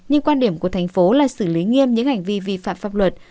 nhưng quan điểm của thành phố là xử lý nghiêm những hành vi vi phạm pháp luật